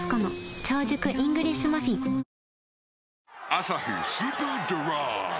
「アサヒスーパードライ」